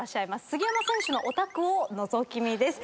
杉山選手のお宅をのぞき見です。